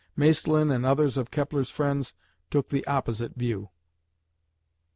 Maestlin and others of Kepler's friends took the opposite view.